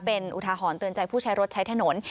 เป็นอุทาหรณ์เตือนใจผู้ใช้รถใช้ถนน